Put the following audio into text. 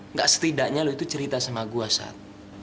nggak setidaknya lo itu cerita sama gue sat